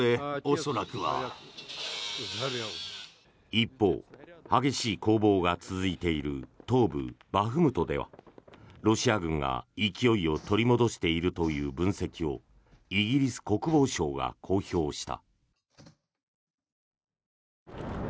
一方、激しい攻防が続いている東部バフムトではロシア軍が勢いを取り戻しているという分析をイギリス国防省が公表した。